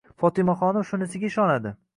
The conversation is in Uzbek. Fotimaxonim shunisiga ishonadi.